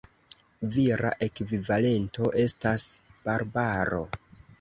Vira ekvivalento estas Barbaro.